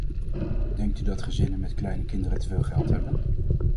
Denkt u dat gezinnen met kleine kinderen te veel geld hebben?